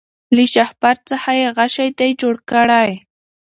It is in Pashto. له شهپر څخه یې غشی دی جوړ کړی